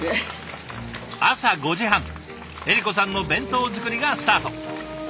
朝５時半恵利子さんの弁当作りがスタート。